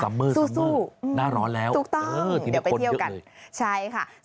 ซัมเมอร์หน้าร้อนแล้วที่มีคนเยอะเลยใช่ค่ะสู้